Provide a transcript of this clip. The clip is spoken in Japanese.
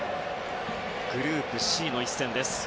グループＣの一戦です。